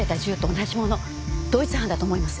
同一犯だと思います。